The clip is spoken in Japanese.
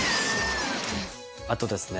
あとですね